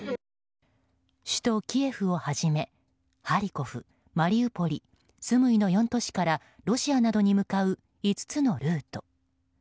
首都キエフをはじめハリコフ、マリウポリスムイの４都市からロシアなどに向かう５つのルート。